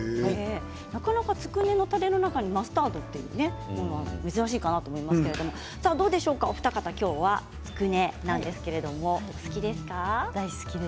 なかなかつくねのたれの中にマスタードというのは珍しいかなと思いますけどお二方、今日はつくねなんですがお好きですか？